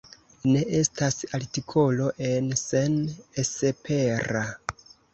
Ne estas artikolo en Sen:esepera.